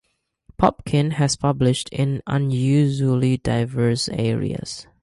Popkin has published in unusually diverse areas.